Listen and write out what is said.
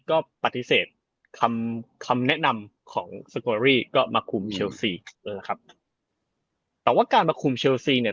ก็ปฏิเสธคำคำแนะนำของก็มาคุมเชียลซีเออครับแต่ว่าการมาคุมเชียลซีเนี้ย